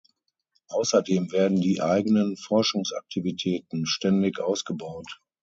Außerdem werden die eigenen Forschungsaktivitäten ständig ausgebaut.